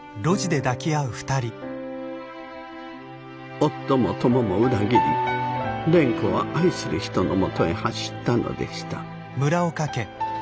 夫も友も裏切り蓮子は愛する人のもとへ走ったのでした。